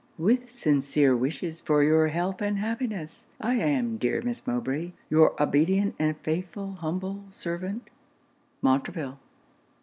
With sincere wishes for your health and happiness, I am, dear Miss Mowbray, your obedient and faithful humble servant, MONTREVILLE.'